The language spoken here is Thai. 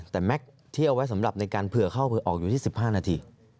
แต่แม็กซ์ที่เอาไว้สำหรับในการเผื่อเข้าเผื่อออกอยู่ที่๑๕นาที